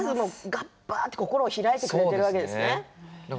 がぱっと心を開いてくれているわけですね。